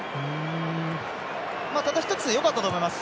ただ一つよかったと思います。